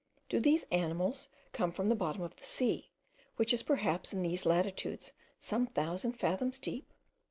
Do these animals come from the bottom of the sea, which is perhaps in these latitudes some thousand fathoms deep?